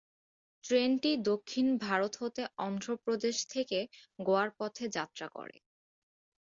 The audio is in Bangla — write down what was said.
ট্রেনটি দক্ষিণ ভারত হতে অন্ধ্র প্রদেশ থেকে গোয়ার পথে যাত্রা করে।